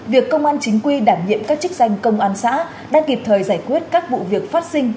việc công an chính quy đảm nhiệm các chức danh công an xã đang kịp thời giải quyết các vụ việc phát sinh